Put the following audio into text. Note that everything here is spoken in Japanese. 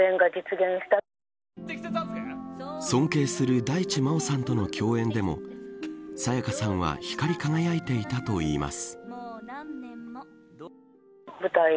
尊敬する大地真央さんとの共演でも沙也加さんは光り輝いていたといいます。